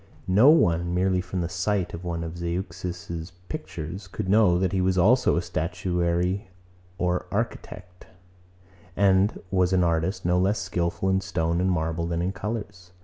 No one, merely from the sight of one of Zeuxis's pictures, could know, that he was also a statuary or architect, and was an artist no less skilful in stone and marble than in colours.